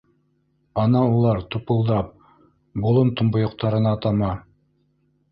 Ана улар тупылдап болон томбойоҡтарына тама.